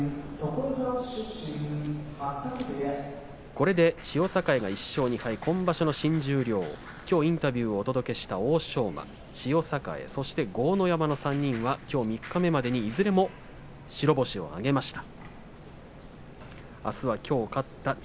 これで千代栄が１勝２敗今場所の新十両きょうインタビューをお届けした欧勝馬、千代栄そして豪ノ山の３人がきょう三日目までに、いずれも白星を挙げました。